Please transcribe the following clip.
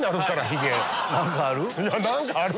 何かある？